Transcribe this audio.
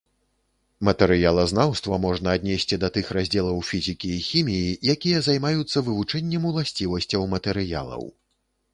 Матэрыялазнаўства можна аднесці да тых раздзелах фізікі і хіміі, якія займаюцца вывучэннем уласцівасцяў матэрыялаў.